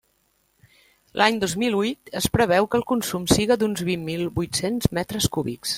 L'any dos mil huit es preveu que el consum siga d'uns vint mil huit-cents metres cúbics.